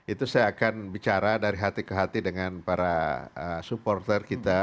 itu saya akan bicara dari hati ke hati dengan para supporter kita